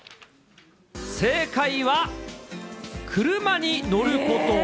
正解は、車に乗ること。